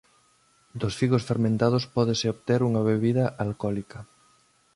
Dos figos fermentados pódese obter unha bebida alcohólica.